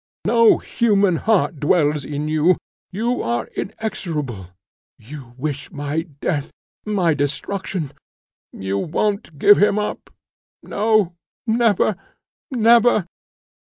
no human heart dwells in you! You are inexorable! You wish my death, my destruction! You won't give him up! No never, never!